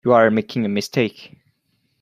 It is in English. You are making a mistake.